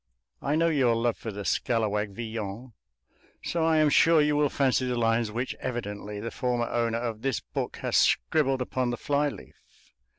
I know your love for the scallawag Villon, so I am sure you will fancy the lines which, evidently, the former owner of this book has scribbled upon the fly leaf."